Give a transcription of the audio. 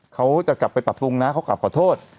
เขาจะกลับไปปรับปรุงนะเขากลับขอโทษ